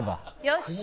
よし。